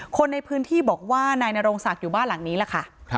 คนในพื้นที่บอกว่านายนโรงศักดิ์อยู่บ้านหลังนี้แหละค่ะ